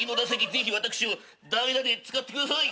ぜひ私を代打で使ってください」